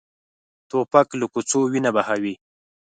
توپک له کوڅو وینه بهوي.